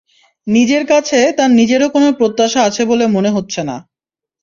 নিজের কাছে তাঁর নিজেরও কোনো প্রত্যাশা আছে বলে মনে হচ্ছে না।